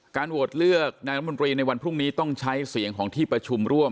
โหวตเลือกนายรัฐมนตรีในวันพรุ่งนี้ต้องใช้เสียงของที่ประชุมร่วม